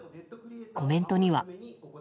コメントには。